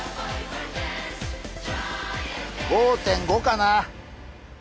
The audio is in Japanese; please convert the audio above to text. ５．５かな。